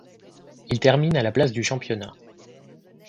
Il termine à la place du championnat.